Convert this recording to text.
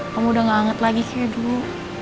kamu udah gak anget lagi sih dulu